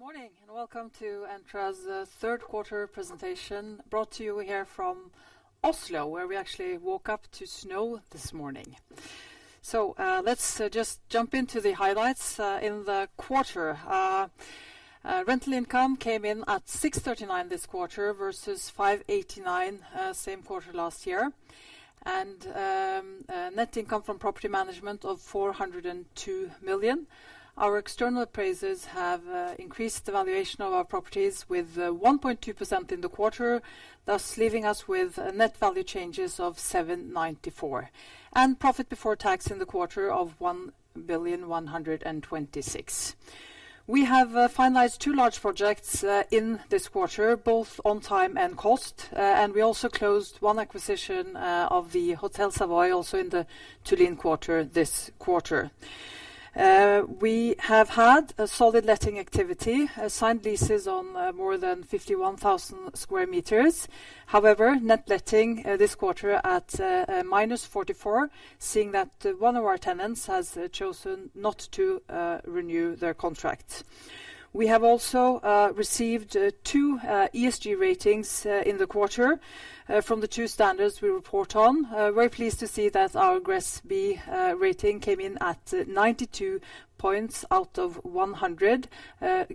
Good morning, welcome to Entra's third quarter presentation, brought to you here from Oslo, where we actually woke up to snow this morning. Let's just jump into the highlights in the quarter. Rental income came in at 639 this quarter versus 589 same quarter last year. Net income from property management of 402 million. Our external appraisers have increased the valuation of our properties with 1.2% in the quarter, thus leaving us with net value changes of 794. Profit before tax in the quarter of 1.126 billion. We have finalized two large projects in this quarter, both on time and cost. We also closed one acquisition of the Hotel Savoy, also in the Tullin Quarter this quarter. We have had a solid letting activity, signed leases on more than 51,000 sq m. Net letting this quarter at -44, seeing that one of our tenants has chosen not to renew their contract. We have also received two ESG ratings in the quarter from the two standards we report on. Very pleased to see that our GRESB rating came in at 92 points out of 100,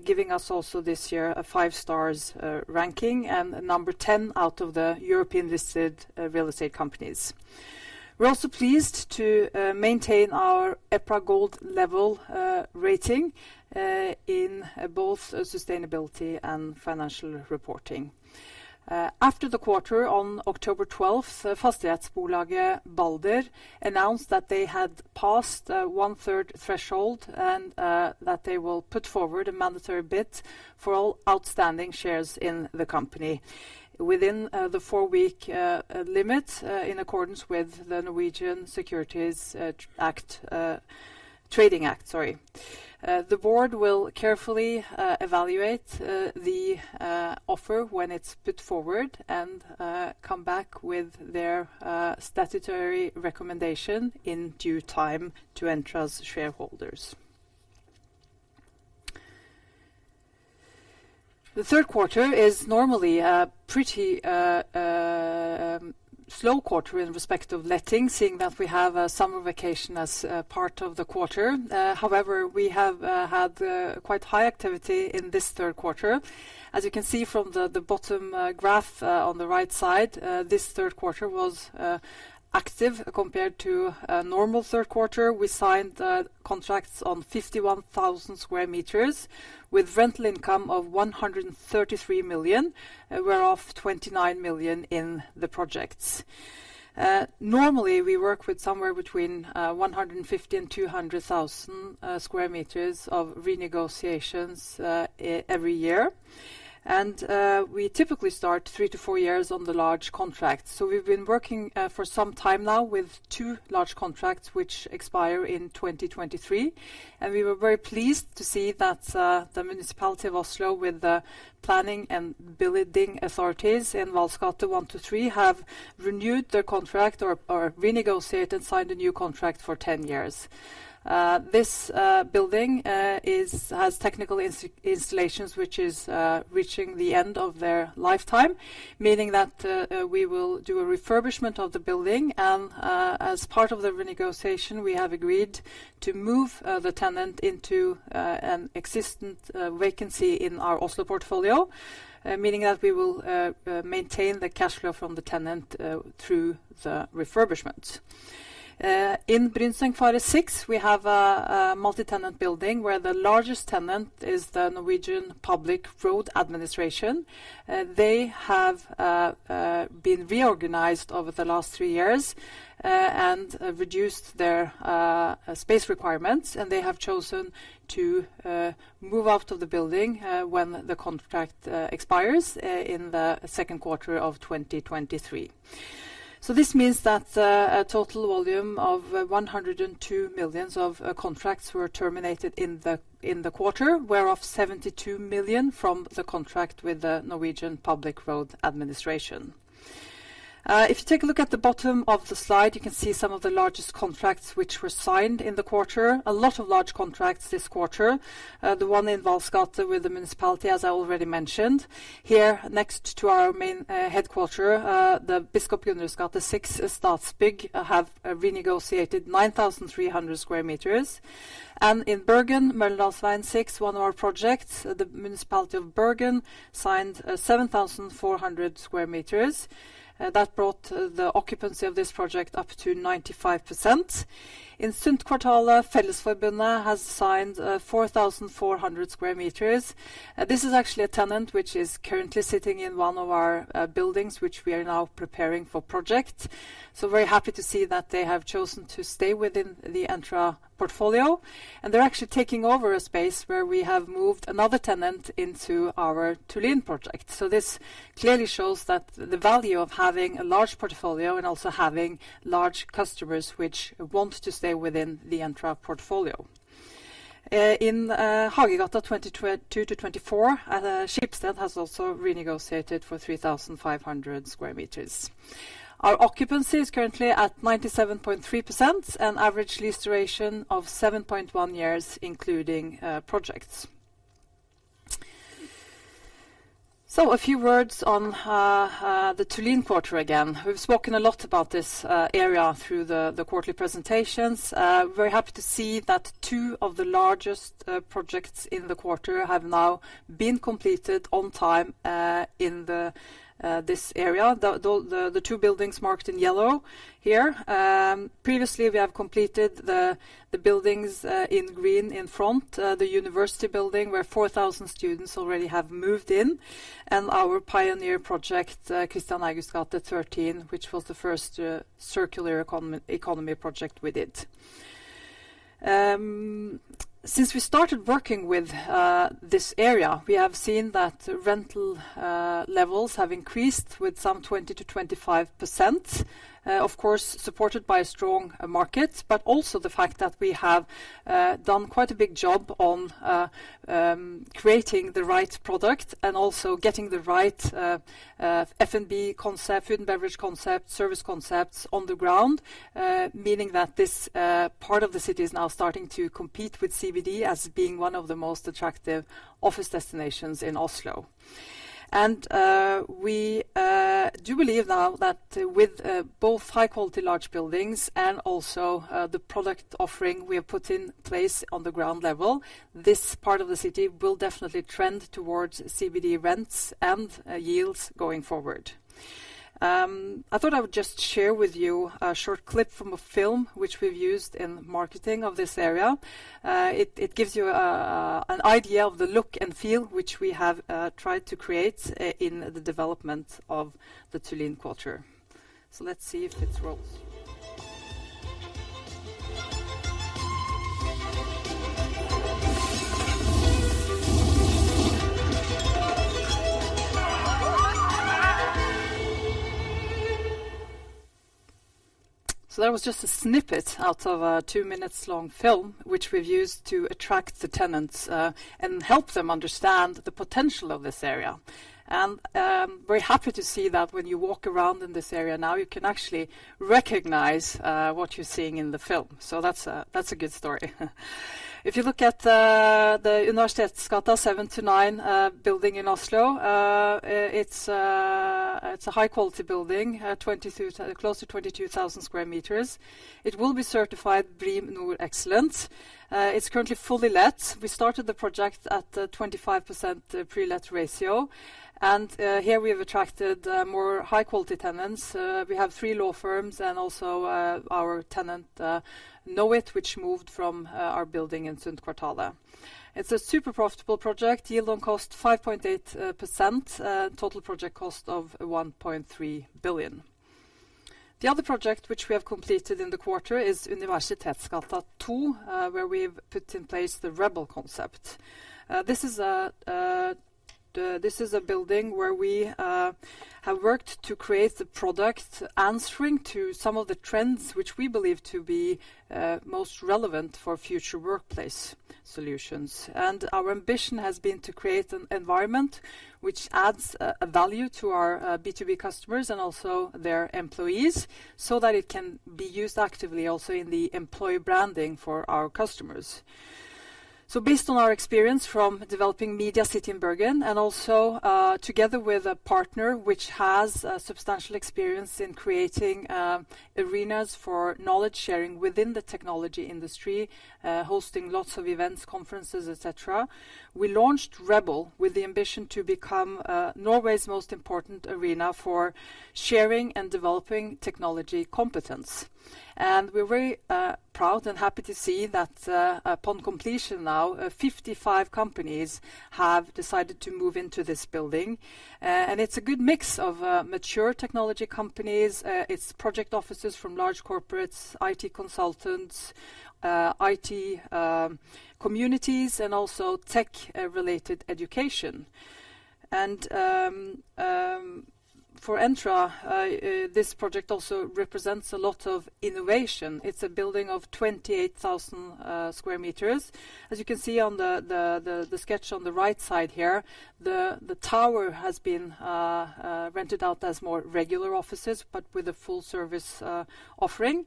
giving us also this year a 5 stars ranking and a number 10 out of the European-listed real estate companies. We're also pleased to maintain our EPRA gold level rating in both sustainability and financial reporting. After the quarter on October 12th, Fastighetsbolaget Balder announced that they had passed 1/3 threshold and that they will put forward a mandatory bid for all outstanding shares in the company within the four-week limit in accordance with the Norwegian Securities Trading Act. The board will carefully evaluate the offer when it's put forward and come back with their statutory recommendation in due time to Entra's shareholders. The third quarter is normally a pretty slow quarter in respect of letting, seeing that we have a summer vacation as part of the quarter. However, we have had quite high activity in this third quarter. As you can see from the bottom graph on the right side, this third quarter was active compared to a normal third quarter. We signed contracts on 51,000 sq m with rental income of 133 million, whereof 29 million in the projects. Normally, we work with somewhere between 150,000 and 200,000 sq m of renegotiations every year. We typically start three to four years on the large contracts. We've been working for some time now with 2 large contracts which expire in 2023, and we were very pleased to see that the municipality of Oslo with the planning and building authorities in Vahls gate 1-3 have renewed their contract or renegotiated and signed a new contract for 10 years. This building has technical installations, which is reaching the end of their lifetime, meaning that we will do a refurbishment of the building. As part of the renegotiation, we have agreed to move the tenant into an existent vacancy in our Oslo portfolio, meaning that we will maintain the cash flow from the tenant through the refurbishment. In Brynsengfaret 6, we have a multi-tenant building where the largest tenant is the Norwegian Public Roads Administration. They have been reorganized over the last three years and reduced their space requirements, and they have chosen to move out of the building when the contract expires in the second quarter of 2023. This means that a total volume of 102 million of contracts were terminated in the quarter, whereof 72 million from the contract with the Norwegian Public Roads Administration. If you take a look at the bottom of the slide, you can see some of the largest contracts which were signed in the quarter. A lot of large contracts this quarter. The one in Vahls gate with the municipality, as I already mentioned. Here next to our main headquarter, the Biskop Gunnerus gate 6, Statsbygg have renegotiated 9,300 sq m. In Bergen, Møllendalsveien 6, one of our projects, the municipality of Bergen signed 7,400 sq m. That brought the occupancy of this project up to 95%. In Sundtkvartalet, Fellesforbundet has signed 4,400 sq m. This is actually a tenant which is currently sitting in one of our buildings, which we are now preparing for project. Very happy to see that they have chosen to stay within the Entra portfolio. They're actually taking over a space where we have moved another tenant into our Tullin project. This clearly shows that the value of having a large portfolio and also having large customers which want to stay within the Entra portfolio. In Hagegata 22 to 24, Schibsted has also renegotiated for 3,500 sq m. Our occupancy is currently at 97.3% and average lease duration of 7.1 years, including projects. A few words on the Tullin Quarter again. We've spoken a lot about this area through the quarterly presentations. Very happy to see that two of the largest projects in the quarter have now been completed on time in this area, the two buildings marked in yellow here. Previously, we have completed the buildings in green in front, the university building, where 4,000 students already have moved in, and our pioneer project, Kristian Augusts gate 13, which was the 1st circular economy project we did. Since we started working with this area, we have seen that rental levels have increased with some 20%-25%. Of course, supported by a strong market, but also the fact that we have done quite a big job on creating the right product and also getting the right F&B concept, food and beverage concept, service concepts on the ground. Meaning that this part of the city is now starting to compete with CBD as being one of the most attractive office destinations in Oslo. We do believe now that with both high-quality large buildings and also the product offering we have put in place on the ground level, this part of the city will definitely trend towards CBD rents and yields going forward. I thought I would just share with you a short clip from a film which we've used in marketing of this area. It gives you an idea of the look and feel, which we have tried to create in the development of the Tullin Quarter. Let's see if it rolls. That was just a snippet out of a two minutes long film, which we've used to attract the tenants and help them understand the potential of this area. Very happy to see that when you walk around in this area now, you can actually recognize what you're seeing in the film. That's a good story. If you look at the Universitetsgata 7-9 building in Oslo, it's a high-quality building, close to 22,000 sq m. It will be certified BREEAM-NOR Excellent. It's currently fully let. We started the project at 25% pre-let ratio, and here we have attracted more high-quality tenants. We have three law firms and also our tenant, Knowit, which moved from our building in Sundtkvartalet. It's a super profitable project. Yield on cost 5.8%. Total project cost of 1.3 billion. The other project which we have completed in the quarter is Universitetsgata 2, where we've put in place the Rebel concept. This is a building where we have worked to create the product answering to some of the trends which we believe to be most relevant for future workplace solutions. Our ambition has been to create an environment which adds value to our B2B customers and also their employees, so that it can be used actively also in the employee branding for our customers. Based on our experience from developing Media City in Bergen and also together with a partner which has substantial experience in creating arenas for knowledge sharing within the technology industry, hosting lots of events, conferences, et cetera. We launched Rebel with the ambition to become Norway's most important arena for sharing and developing technology competence. We are very proud and happy to see that upon completion now, 55 companies have decided to move into this building. It's a good mix of mature technology companies. It's project offices from large corporates, IT consultants, IT communities, and also tech-related education. For Entra, this project also represents a lot of innovation. It's a building of 28,000 sq m. As you can see on the sketch on the right side here, the tower has been rented out as more regular offices, but with a full-service offering.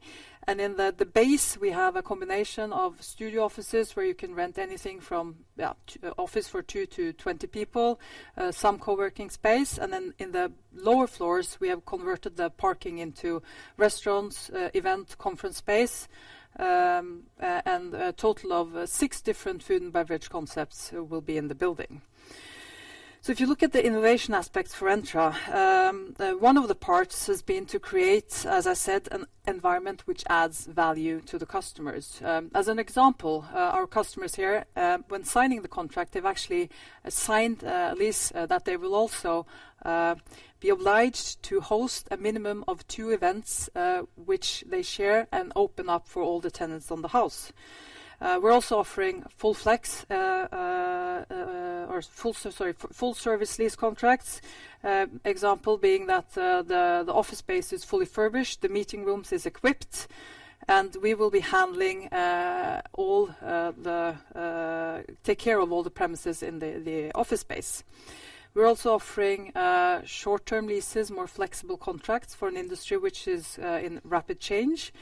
In the base, we have a combination of studio offices where you can rent anything from office for two to 20 people, some co-working space, and in the lower floors, we have converted the parking into restaurants, event conference space, and a total of six different food and beverage concepts will be in the building. If you look at the innovation aspects for Entra, one of the parts has been to create, as I said, an environment which adds value to the customers. As an example, our customers here, when signing the contract, they've actually signed a lease that they will also be obliged to host a minimum of two events, which they share and open up for all the tenants on the house. We're also offering full service lease contracts. Example being that the office space is fully furnished. The meeting rooms is equipped. We will be handling and take care of all the premises in the office space. We're also offering short-term leases, more flexible contracts for an industry which is in rapid change.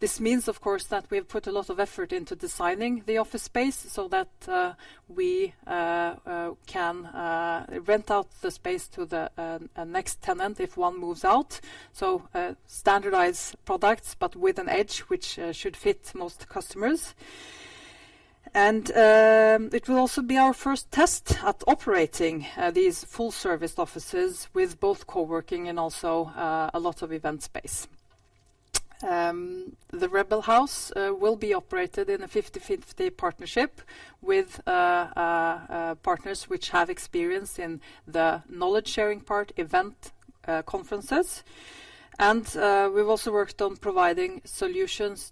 This means, of course, that we have put a lot of effort into designing the office space so that we can rent out the space to the next tenant if one moves out. Standardized products, but with an edge, which should fit most customers. It will also be our first test at operating these full-service offices with both co-working and also a lot of event space. The Rebel will be operated in a 50/50 partnership with partners which have experience in the knowledge-sharing part, event conferences. We've also worked on providing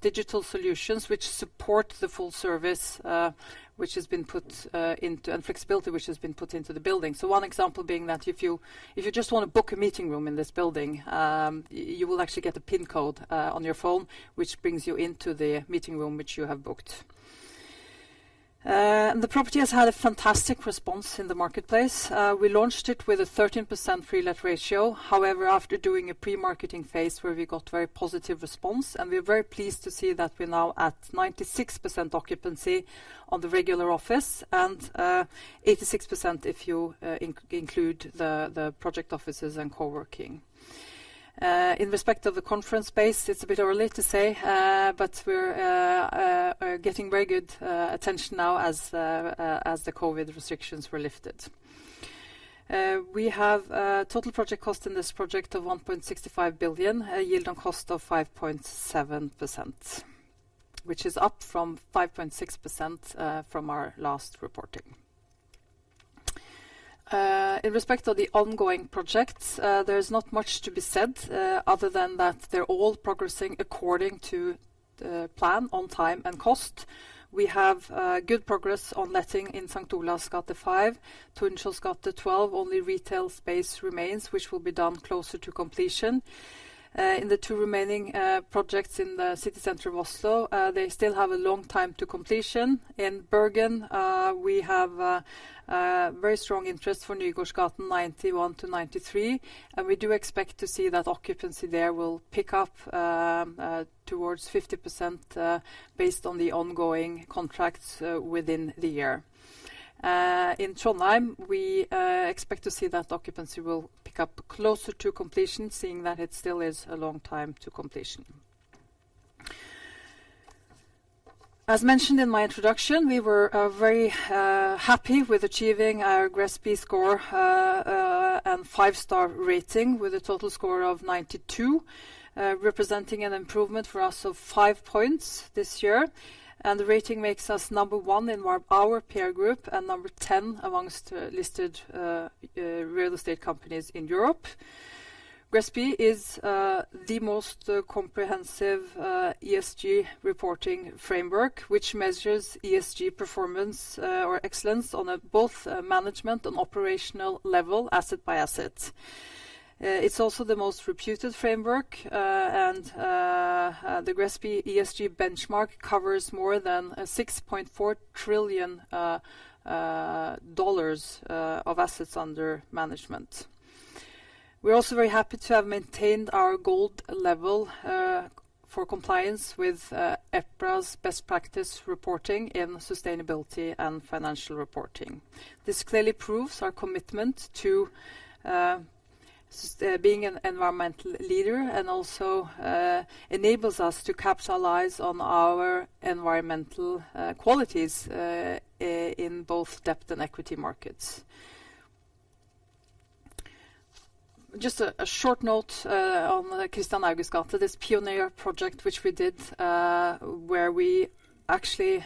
digital solutions which support the full service and flexibility which has been put into the building. One example being that if you just want to book a meeting room in this building, you will actually get a pin code on your phone, which brings you into the meeting room which you have booked. The property has had a fantastic response in the marketplace. We launched it with a 13% prelet ratio. However, after doing a pre-marketing phase where we got very positive response, and we are very pleased to see that we're now at 96% occupancy on the regular office and 86% if you include the project offices and co-working. In respect of the conference space, it's a bit early to say, but we're getting very good attention now as the COVID restrictions were lifted. We have a total project cost in this project of 1.65 billion, a yield on cost of 5.7%, which is up from 5.6% from our last reporting. In respect of the ongoing projects, there is not much to be said other than that they're all progressing according to plan on time and cost. We have good progress on letting in St. Olavs plass 5. Tullins gate 12, only retail space remains, which will be done closer to completion. In the two remaining projects in the city center of Oslo, they still have a long time to completion. In Bergen, we have a very strong interest for Nygårdsgaten 91-93, we do expect to see that occupancy there will pick up towards 50% based on the ongoing contracts within the year. In Trondheim, we expect to see that occupancy will pick up closer to completion, seeing that it still is a long time to completion. As mentioned in my introduction, we were very happy with achieving our GRESB score and 5-star rating with a total score of 92, representing an improvement for us of five points this year. The rating makes us number one in our peer group and number 10 amongst listed real estate companies in Europe. GRESB is the most comprehensive ESG reporting framework, which measures ESG performance or excellence on both a management and operational level, asset by asset. It's also the most reputed framework. The GRESB ESG benchmark covers more than $6.4 trillion of assets under management. We're also very happy to have maintained our gold level for compliance with EPRA's best practice reporting in sustainability and financial reporting. This clearly proves our commitment to being an environmental leader and also enables us to capitalize on our environmental qualities in both depth and equity markets. Just a short note on Kristian Augusts gate, this pioneer project which we did, where we actually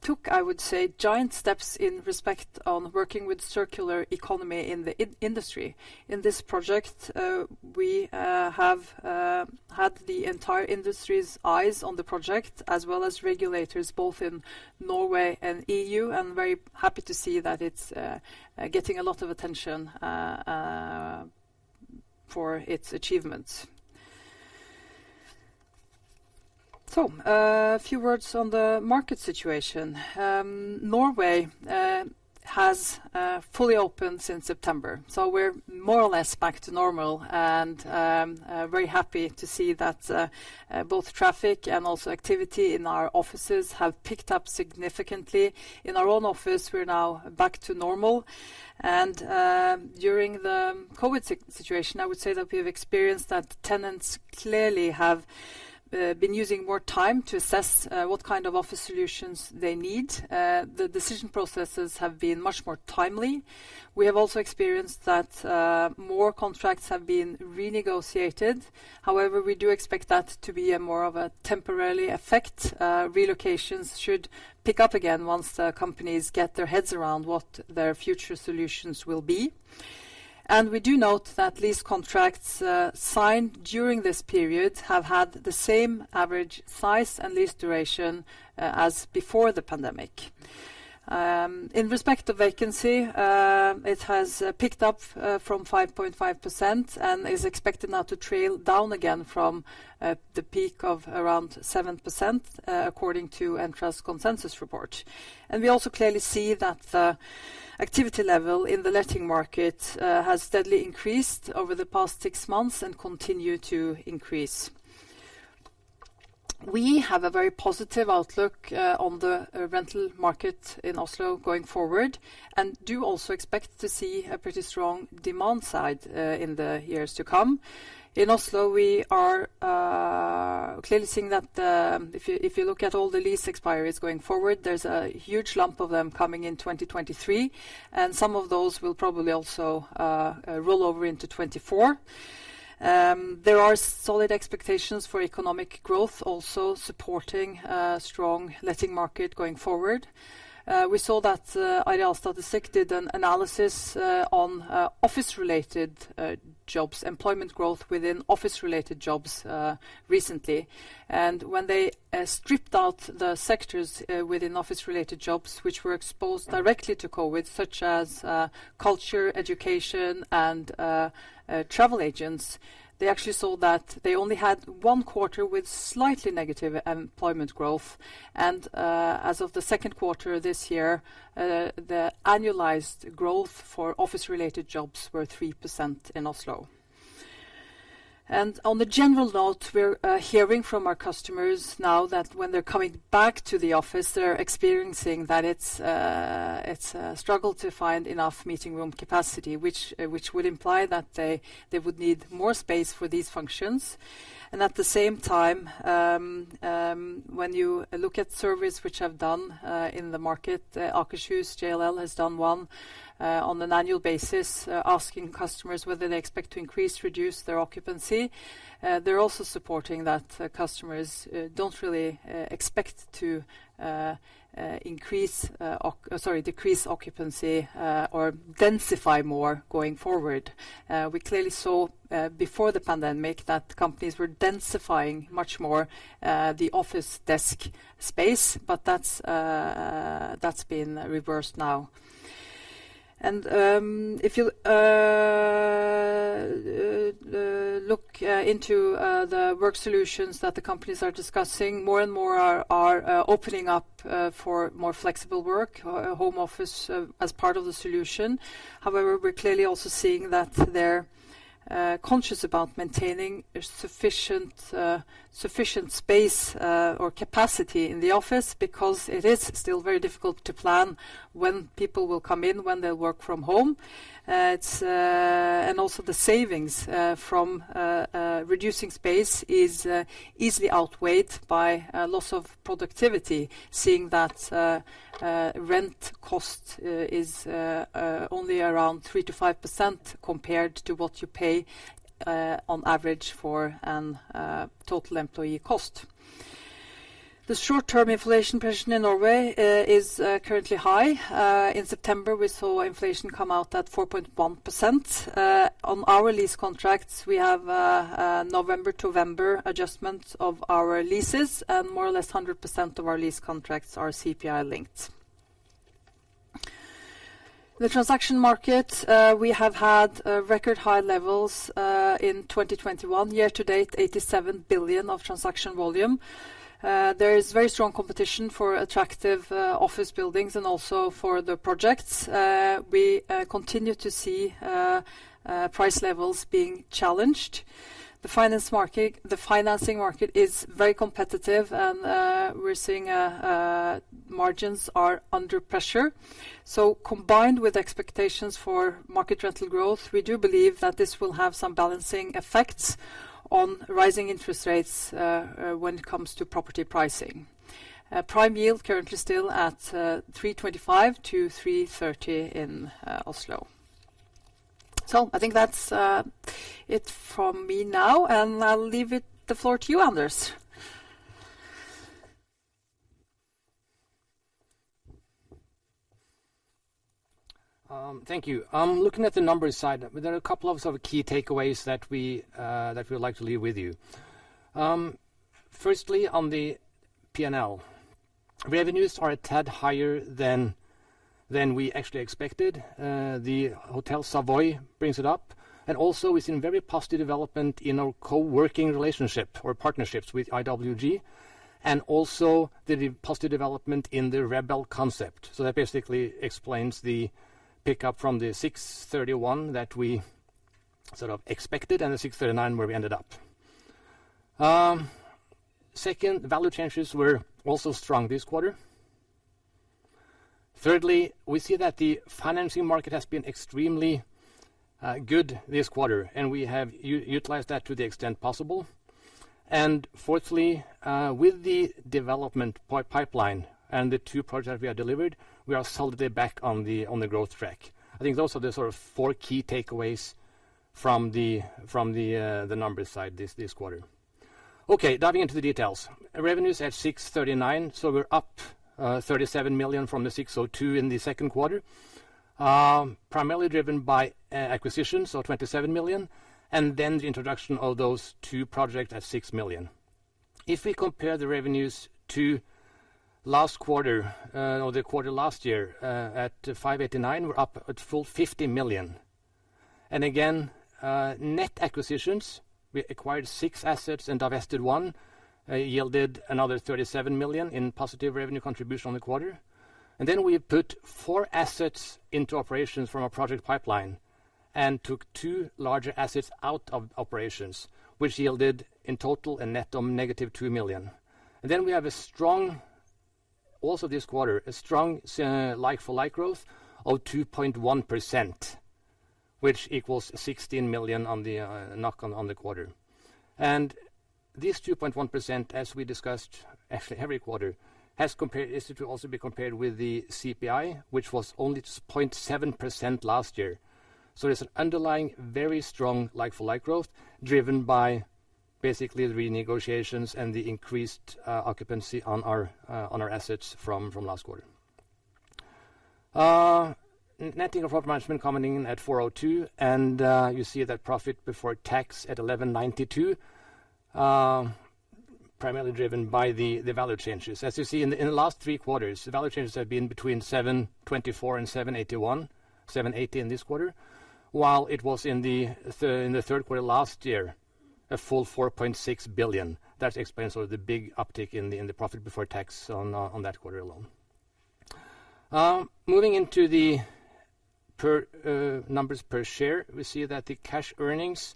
took, I would say, giant steps in respect on working with circular economy in the industry. In this project, we have had the entire industry's eyes on the project, as well as regulators, both in Norway and EU. Very happy to see that it's getting a lot of attention for its achievements. A few words on the market situation. Norway has fully opened since September. We're more or less back to normal. Very happy to see that both traffic and also activity in our offices have picked up significantly. In our own office, we are now back to normal. During the COVID situation, I would say that we have experienced that tenants clearly have been using more time to assess what kind of office solutions they need. The decision processes have been much more timely. We have also experienced that more contracts have been renegotiated. However, we do expect that to be more of a temporary effect. Relocations should pick up again once the companies get their heads around what their future solutions will be. We do note that lease contracts signed during this period have had the same average size and lease duration as before the pandemic. In respect to vacancy, it has picked up from 5.5% and is expected now to trail down again from the peak of around 7%, according to Entra's consensus report. We also clearly see that the activity level in the letting market has steadily increased over the past six months and continue to increase. We have a very positive outlook on the rental market in Oslo going forward, and do also expect to see a pretty strong demand side in the years to come. In Oslo, we are clearly seeing that if you look at all the lease expiries going forward, there's a huge lump of them coming in 2023, some of those will probably also roll over into 2024. There are solid expectations for economic growth, also supporting a strong letting market going forward. We saw that SSB did an analysis on office-related jobs, employment growth within office-related jobs recently. When they stripped out the sectors within office-related jobs, which were exposed directly to COVID, such as culture, education, and travel agents, they actually saw that they only had one quarter with slightly negative employment growth. As of the second quarter this year, the annualized growth for office-related jobs were 3% in Oslo. On the general note, we're hearing from our customers now that when they're coming back to the office, they're experiencing that it's a struggle to find enough meeting room capacity, which would imply that they would need more space for these functions. At the same time, when you look at surveys which have done in the market, Akershus JLL has done one on an annual basis, asking customers whether they expect to increase, reduce their occupancy. They're also supporting that customers don't really expect to decrease occupancy, or densify more going forward. We clearly saw before the pandemic that companies were densifying much more the office desk space, but that's been reversed now. If you look into the work solutions that the companies are discussing, more and more are opening up for more flexible work or home office as part of the solution. However, we're clearly also seeing that they're conscious about maintaining sufficient space or capacity in the office because it is still very difficult to plan when people will come in, when they'll work from home. Also the savings from reducing space is easily outweighed by loss of productivity, seeing that rent cost is only around 3%-5% compared to what you pay on average for a total employee cost. The short-term inflation pressure in Norway is currently high. In September, we saw inflation come out at 4.1%. On our lease contracts, we have November to November adjustments of our leases, and more or less 100% of our lease contracts are CPI linked. The transaction market, we have had record high levels, in 2021, year to date, 87 billion of transaction volume. There is very strong competition for attractive office buildings and also for the projects. We continue to see price levels being challenged. The financing market is very competitive, and we're seeing margins are under pressure. Combined with expectations for market rental growth, we do believe that this will have some balancing effects on rising interest rates when it comes to property pricing. Prime yield currently still at 3.25%-3.30% in Oslo. I think that's it from me now, and I'll leave the floor to you, Anders. Thank you. Looking at the numbers side, there are a couple of key takeaways that we would like to leave with you. Firstly, on the P&L, revenues are a tad higher than we actually expected. The Hotel Savoy brings it up, and also we've seen very positive development in our co-working relationship or partnerships with IWG, and also the positive development in the Rebel concept. That basically explains the pickup from the 631 that we sort of expected and the 639 where we ended up. Second, value changes were also strong this quarter. Thirdly, we see that the financing market has been extremely good this quarter, and we have utilized that to the extent possible. Fourthly, with the development pipeline and the two projects we have delivered, we are solidly back on the growth track. I think those are the sort of four key takeaways from the numbers side this quarter. Diving into the details. Revenues at 639, we're up 37 million from the 602 in the second quarter. Primarily driven by acquisitions, 27 million, the introduction of those two projects at 6 million. If we compare the revenues to the quarter last year at 589, we're up at full 50 million. Again, net acquisitions, we acquired six assets and divested one, yielded another 37 million in positive revenue contribution on the quarter. We put four assets into operations from our project pipeline and took two larger assets out of operations, which yielded in total a net of negative 2 million. We have, also this quarter, a strong like-for-like growth of 2.1%, which equals 16 million on the quarter. This 2.1%, as we discussed every quarter, is to also be compared with the CPI, which was only 0.7% last year. There's an underlying, very strong like-for-like growth driven by basically the renegotiations and the increased occupancy on our assets from last quarter. Net income from property management coming in at 402, and you see that profit before tax at 1,192, primarily driven by the value changes. As you see, in the last three quarters, the value changes have been between 724 and 781, 780 in this quarter, while it was in the third quarter last year, a full 4.6 billion. That explains the big uptick in the profit before tax on that quarter alone. Moving into the numbers per share, we see that the cash earnings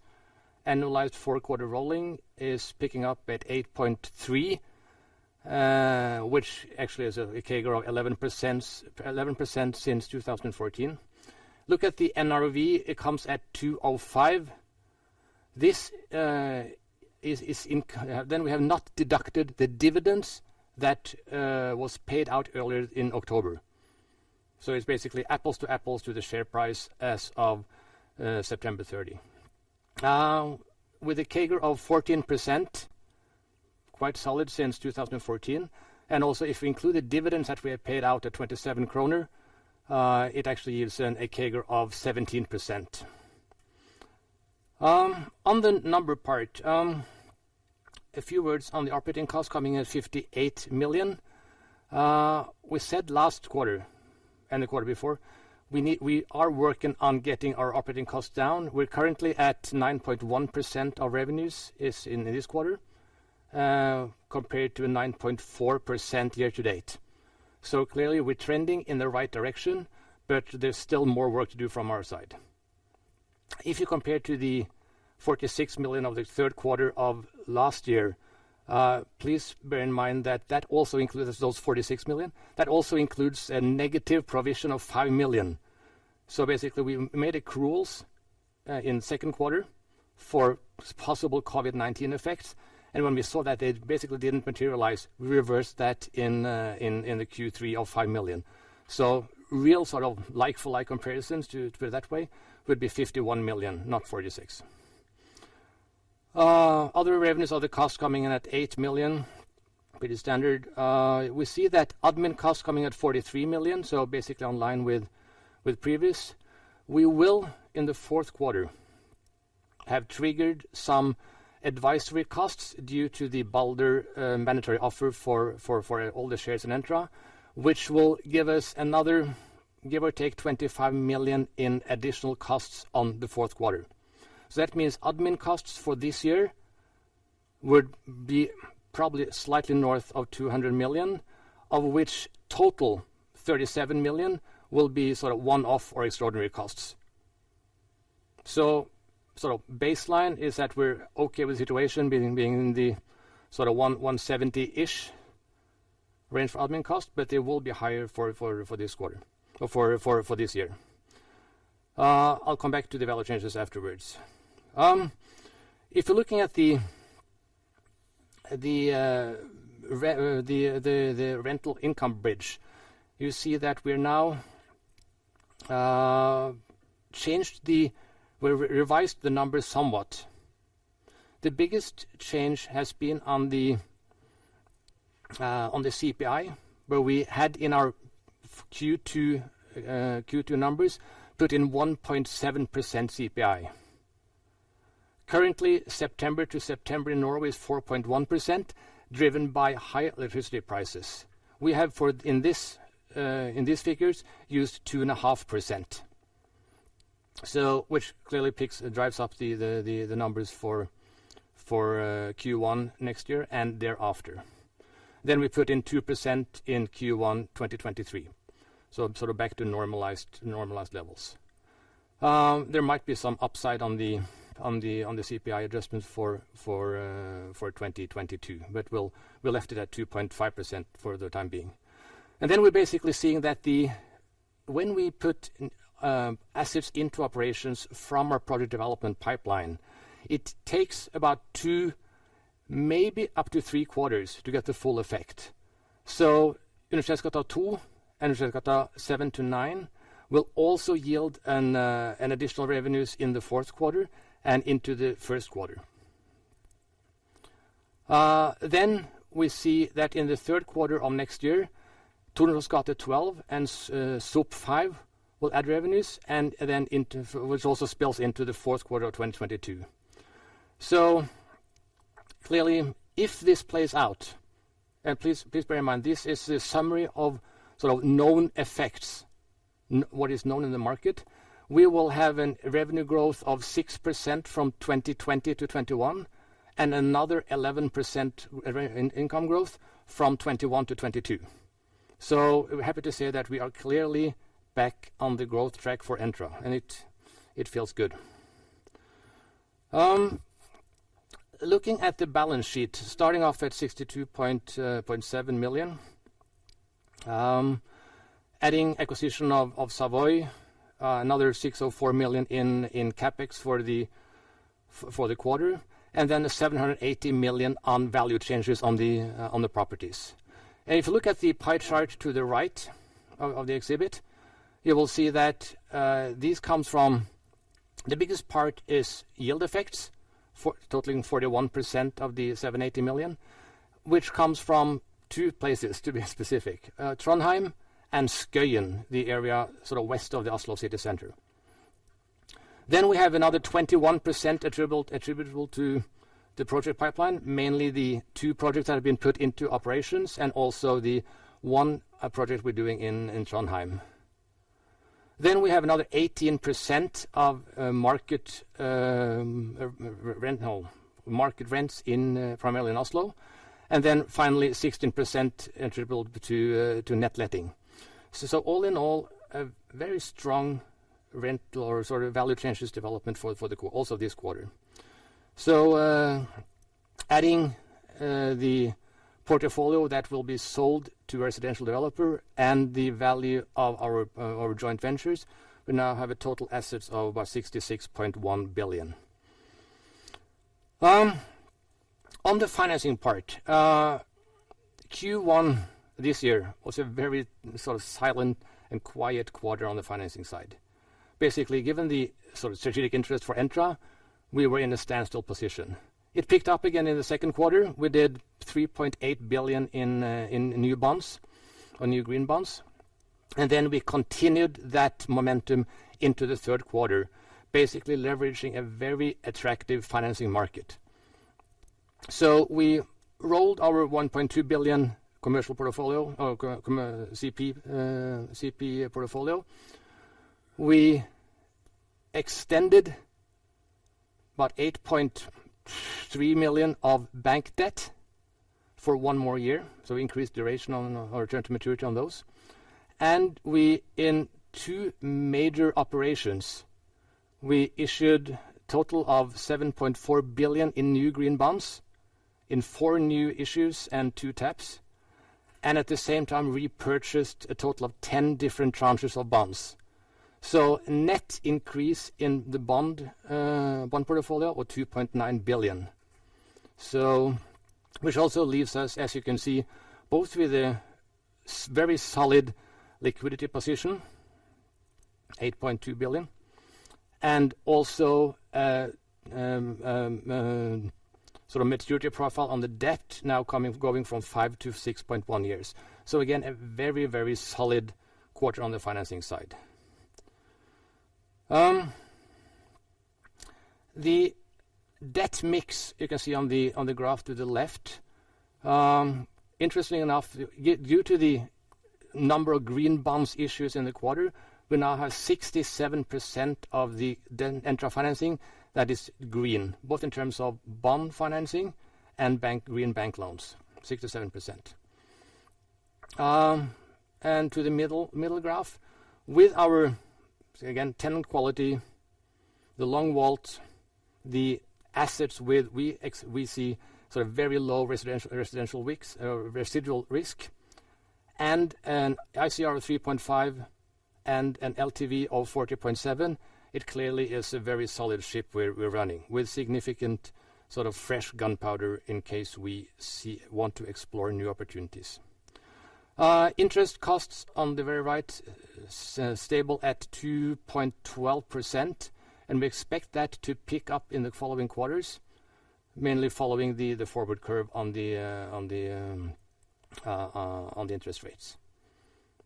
annualized four quarter rolling is picking up at 8.3, which actually is a CAGR of 11% since 2014. Look at the NRV. It comes at NOK 205. We have not deducted the dividends that were paid out earlier in October. It's basically apples to apples to the share price as of September 30. With a CAGR of 14%, quite solid since 2014. Also, if we include the dividends that we have paid out at 27 kroner, it actually gives a CAGR of 17%. On the number part, a few words on the operating cost coming in at 58 million. We said last quarter and the quarter before, we are working on getting our operating costs down. We're currently at 9.1% of revenues is in this quarter, compared to 9.4% year-to-date. Clearly, we're trending in the right direction, but there's still more work to do from our side. If you compare to the 46 million of the third quarter of last year, please bear in mind that also includes those 46 million. That also includes a negative provision of 5 million. Basically, we made accruals in the second quarter for possible COVID-19 effects. When we saw that it basically didn't materialize, we reversed that in the Q3 of 5 million. Real like-for-like comparisons to it that way would be 51 million, not 46. Other revenues, other costs coming in at 8 million. Pretty standard. We see that admin costs coming at 43 million, basically in line with previous. We will, in the fourth quarter, have triggered some advisory costs due to the Balder mandatory offer for all the shares in Entra, which will give us another give or take 25 million in additional costs on the fourth quarter. That means admin costs for this year would be probably slightly north of 200 million, of which total 37 million will be one-off or extraordinary costs. Baseline is that we're okay with the situation being in the 170-ish range for admin cost, but it will be higher for this year. I'll come back to developer changes afterwards. If you're looking at the rental income bridge, you see that we revised the numbers somewhat. The biggest change has been on the CPI, where we had in our Q2 numbers put in 1.7% CPI. Currently, September to September in Norway is 4.1%, driven by high electricity prices. We have in these figures used 2.5%, which clearly drives up the numbers for Q1 next year and thereafter. We put in 2% in Q1 2023, back to normalized levels. There might be some upside on the CPI adjustment for 2022, we left it at 2.5% for the time being. We're basically seeing that when we put assets into operations from our project development pipeline, it takes about two, maybe up to three quarters to get the full effect. Universitetsgata 2, Universitetsgata 7-9 will also yield an additional revenues in the fourth quarter and into the first quarter. We see that in the third quarter of next year, Tullins gate 12 and St. Olavs plass 5 will add revenues, which also spills into the fourth quarter of 2022. Clearly, if this plays out, please bear in mind this is a summary of known effects, what is known in the market, we will have a revenue growth of 6% from 2020 to 2021, another 11% in income growth from 2021 to 2022. We're happy to say that we are clearly back on the growth track for Entra. It feels good. Looking at the balance sheet, starting off at 62.7 million, adding acquisition of Savoy, another 604 million in CapEx for the quarter, the 780 million on value changes on the properties. If you look at the pie chart to the right of the exhibit, you will see that the biggest part is yield effects totaling 41% of the 780 million, which comes from two places, to be specific, Trondheim and Skøyen, the area west of the Oslo City Center. We have another 21% attributable to the project pipeline, mainly the two projects that have been put into operations, and also the one project we're doing in Trondheim. We have another 18% of market rents primarily in Oslo. Finally, 16% attributable to net letting. All in all, a very strong rent or value changes development also this quarter. Adding the portfolio that will be sold to a residential developer and the value of our joint ventures, we now have total assets of about 66.1 billion. On the financing part. Q1 this year was a very silent and quiet quarter on the financing side. Basically, given the strategic interest for Entra, we were in a standstill position. It picked up again in the second quarter. We did 3.8 billion in new bonds or new green bonds, and then we continued that momentum into the third quarter, basically leveraging a very attractive financing market. We rolled our 1.2 billion commercial portfolio or CP portfolio. We extended about 8.3 million of bank debt for one more year, so increased duration on our return to maturity on those. In two major operations, we issued a total of 7.4 billion in new green bonds in four new issues and two taps, and at the same time repurchased a total of 10 different tranches of bonds. Net increase in the bond portfolio was 2.9 billion, which also leaves us, as you can see, both with a very solid liquidity position, NOK 8.2 billion, and also a maturity profile on the debt now going from five to 6.1 years. Again, a very solid quarter on the financing side. The debt mix you can see on the graph to the left. Interestingly enough, due to the number of green bonds issues in the quarter, we now have 67% of the Entra financing that is green, both in terms of bond financing and green bank loans. 67%. To the middle graph. With our, again, tenant quality, the long WALT, the assets where we see very low residual risk, and an ICR of 3.5 and an LTV of 40.7, it clearly is a very solid ship we're running with significant fresh gunpowder in case we want to explore new opportunities. Interest costs on the very right, stable at 2.12%, we expect that to pick up in the following quarters, mainly following the forward curve on the interest rates.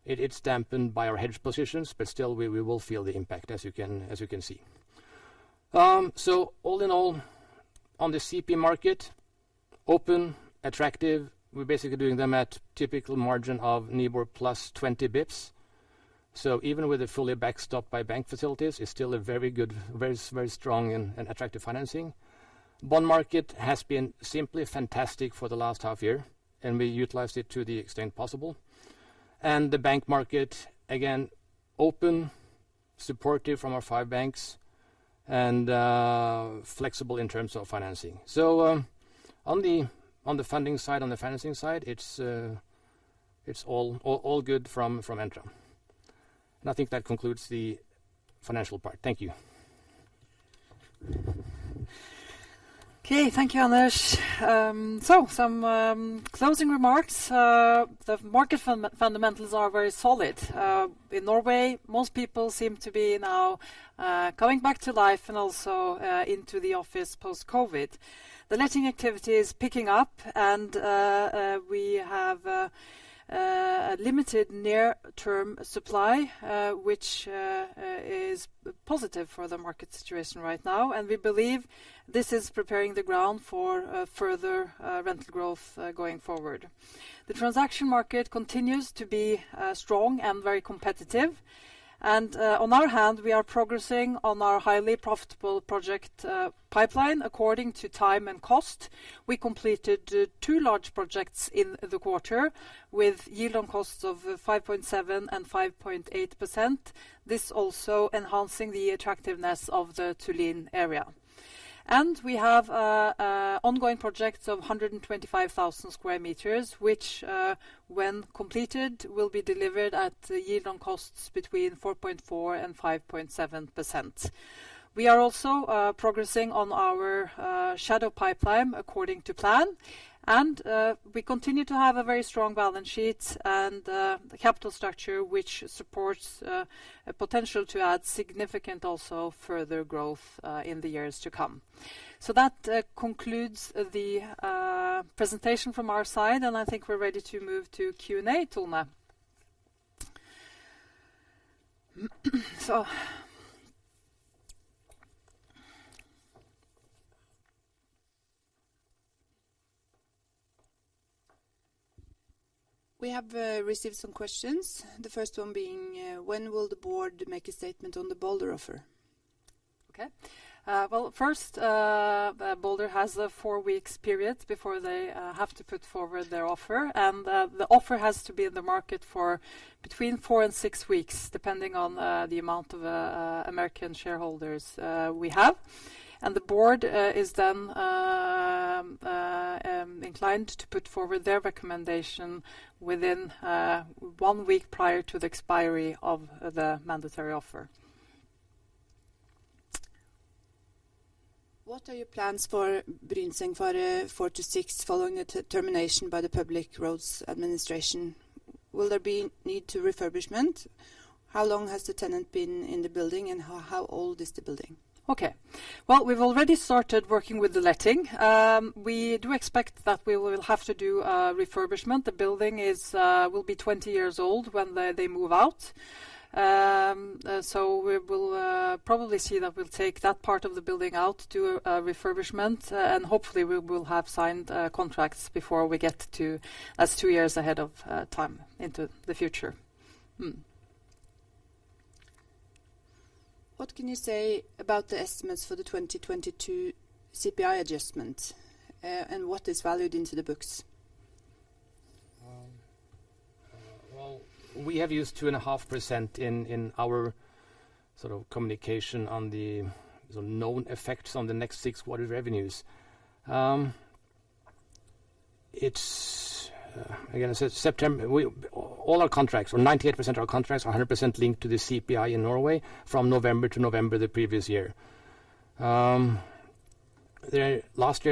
It's dampened by our hedge positions, still, we will feel the impact, as you can see. All in all, on the CP market, open, attractive. We're basically doing them at typical margin of NIBOR plus 20 basis points. Even with a fully backstop by bank facilities, it's still a very good, very strong, and attractive financing. Bond market has been simply fantastic for the last half year, and we utilized it to the extent possible. The bank market, again, open, supportive from our five banks, and flexible in terms of financing. On the funding side, on the financing side, it's all good from Entra. I think that concludes the financial part. Thank you. Okay. Thank you, Anders. Some closing remarks. The market fundamentals are very solid. In Norway, most people seem to be now going back to life and also into the office post-COVID. The letting activity is picking up, and we have a limited near-term supply, which is positive for the market situation right now. We believe this is preparing the ground for further rental growth going forward. The transaction market continues to be strong and very competitive. On our hand, we are progressing on our highly profitable project pipeline according to time and cost. We completed two large projects in the quarter, with yield on costs of 5.7 and 5.8%. This also enhancing the attractiveness of the Tullin area. We have ongoing projects of 125,000 sq m, which when completed, will be delivered at yield on costs between 4.4% and 5.7%. We are also progressing on our shadow pipeline according to plan. We continue to have a very strong balance sheet and capital structure, which supports a potential to add significant also further growth in the years to come. That concludes the presentation from our side, and I think we're ready to move to Q&A, Tone. We have received some questions. The first one being, when will the board make a statement on the Balder offer? Balder has a four weeks period before they have to put forward their offer. The offer has to be in the market for between four and six weeks, depending on the amount of American shareholders we have. The board is then inclined to put forward their recommendation within 1 week prior to the expiry of the mandatory offer. What are your plans for Brynsengfaret 6 following the termination by the Public Roads Administration? Will there be need to refurbishment? How long has the tenant been in the building, and how old is the building? Well, we've already started working with the letting. We do expect that we will have to do a refurbishment. The building will be 20 years old when they move out. We will probably see that we'll take that part of the building out, do a refurbishment, and hopefully we will have signed contracts before we get to as two years ahead of time into the future. What can you say about the estimates for the 2022 CPI adjustment, and what is valued into the books? Well, we have used 2.5% in our communication on the known effects on the next six quarter revenues. Again, all our contracts or 98% of our contracts are 100% linked to the CPI in Norway from November to November the previous year. Last year,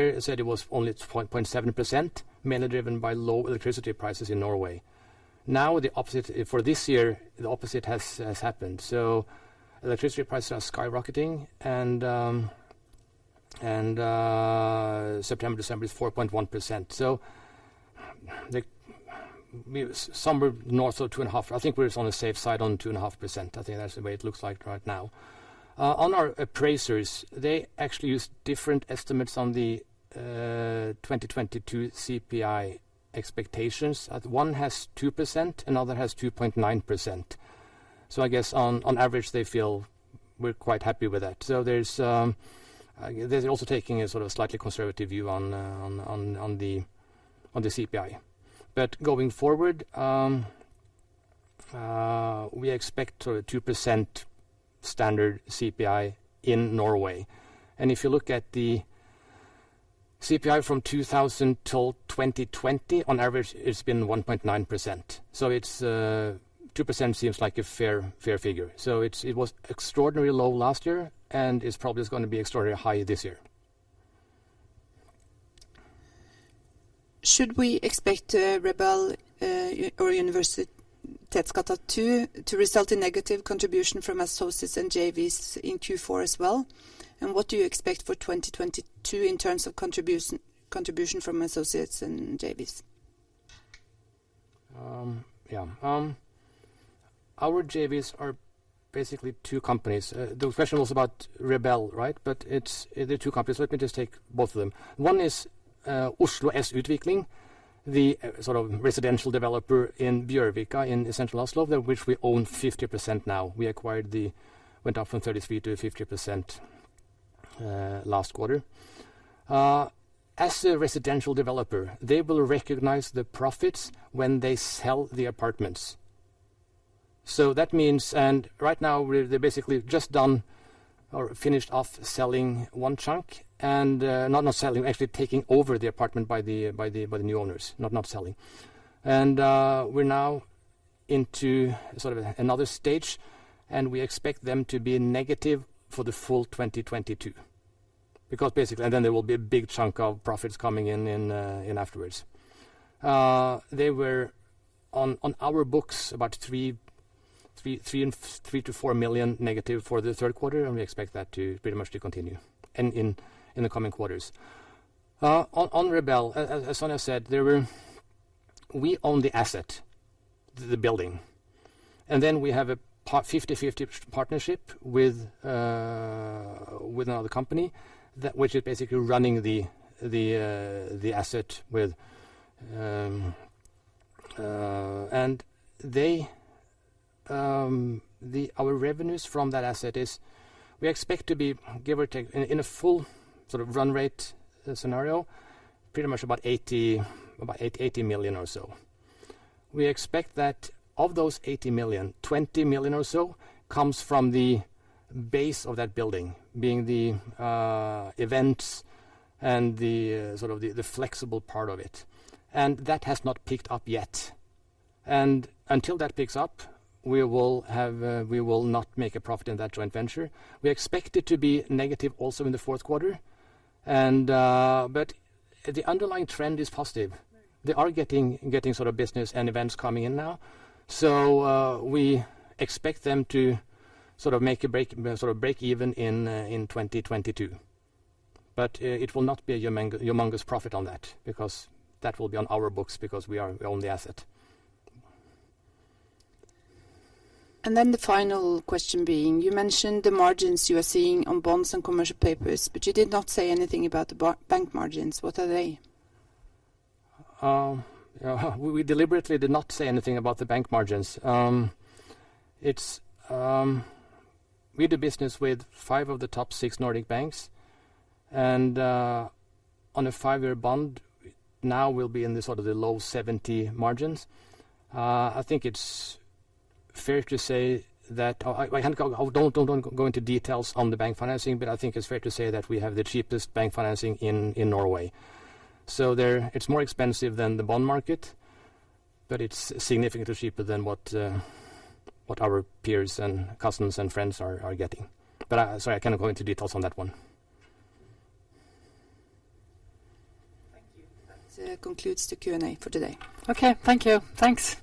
it said it was only 2.7%, mainly driven by low electricity prices in Norway. For this year, the opposite has happened. Electricity prices are skyrocketing, and September, December is 4.1%, somewhere north of 2.5. I think we're on a safe side on 2.5%. I think that's the way it looks like right now. On our appraisers, they actually use different estimates on the 2022 CPI expectations. One has 2%, another has 2.9%. I guess on average, they feel we're quite happy with that. They're also taking a sort of slightly conservative view on the CPI. Going forward, we expect a 2% standard CPI in Norway. If you look at the CPI from 2000 till 2020, on average, it's been 1.9%. 2% seems like a fair figure. It was extraordinarily low last year, and it's probably is going to be extraordinarily high this year. Should we expect Rebel or Universitetsgata 2 to result in negative contribution from associates and JVs in Q4 as well? What do you expect for 2022 in terms of contribution from associates and JVs? Yeah. Our JVs are basically two companies. The question was about Rebel, right? They're two companies. Let me just take both of them. One is Oslo S Utvikling, the residential developer in Bjørvika in the central Oslo, which we own 50% now. We went up from 33% to 50% last quarter. As a residential developer, they will recognize the profits when they sell the apartments. Right now, they're basically just done or finished off selling one chunk, actually taking over the apartment by the new owners, not selling. We are now into another stage, and we expect them to be negative for the full 2022. There will be a big chunk of profits coming in afterwards. They were on our books about 3 million to 4 million negative for the third quarter, and we expect that to pretty much continue in the coming quarters. On Rebel, as Sonja said, we own the asset, the building, and then we have a 50/50 partnership with another company, which is basically running the asset with. Our revenues from that asset is, we expect to be, give or take, in a full run rate scenario, pretty much about 80 million or so. We expect that of those 80 million, 20 million or so comes from the base of that building, being the events and the flexible part of it. That has not picked up yet. Until that picks up, we will not make a profit in that joint venture. We expect it to be negative also in the fourth quarter, but the underlying trend is positive. They are getting business and events coming in now. We expect them to break even in 2022. It will not be a humongous profit on that because that will be on our books because we own the asset. The final question being, you mentioned the margins you are seeing on bonds and commercial papers, but you did not say anything about the bank margins. What are they? We deliberately did not say anything about the bank margins. We do business with five of the top six Nordic banks, and on a five-year bond, now we'll be in the low 70 margins. I don't want to go into details on the bank financing, but I think it's fair to say that we have the cheapest bank financing in Norway. It's more expensive than the bond market, but it's significantly cheaper than what our peers and customers and friends are getting. Sorry, I cannot go into details on that one. Thank you. That concludes the Q&A for today. Okay. Thank you. Thanks.